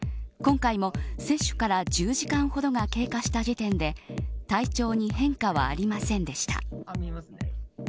今回も接種から１０時間ほどが経過した時点で体調に変化はありませんでした。